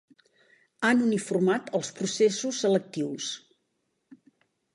Han uniformat els processos selectius.